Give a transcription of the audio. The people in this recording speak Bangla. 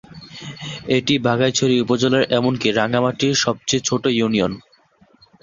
এটি বাঘাইছড়ি উপজেলার এমনকি রাঙ্গামাটি সবচেয়ে ছোট ইউনিয়ন।